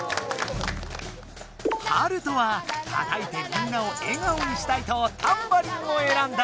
ハルトはたたいてみんなをえがおにしたいとタンバリンを選んだ！